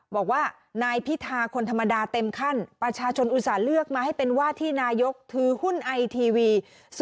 บอกว่านายพิธาคนธรรมดาเต็มขั้นประชาชนอุตส่าห์เลือกมาให้เป็นว่าที่นายกถือหุ้นไอทีวี